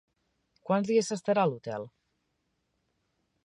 Quants dies s'estarà a l'hotel?